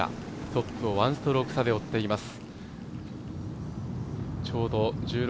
トップを１ストローク差で追っています。